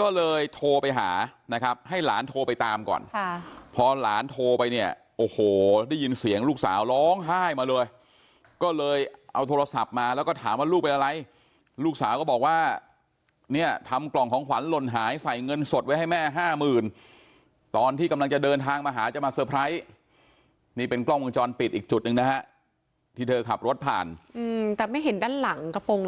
ก็เลยโทรไปหานะครับให้หลานโทรไปตามก่อนค่ะพอหลานโทรไปเนี่ยโอ้โหได้ยินเสียงลูกสาวร้องไห้มาเลยก็เลยเอาโทรศัพท์มาแล้วก็ถามว่าลูกเป็นอะไรลูกสาวก็บอกว่าเนี่ยทำกล่องของขวัญหล่นหายใส่เงินสดไว้ให้แม่ห้าหมื่นตอนที่กำลังจะเดินทางมาหาจะมาเตอร์ไพรส์นี่เป็นกล้องวงจรปิดอีกจุดหนึ่งนะฮะที่เธอขับรถผ่านแต่ไม่เห็นด้านหลังกระโปรง